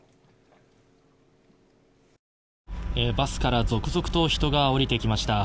バスから続々と人が降りてきました。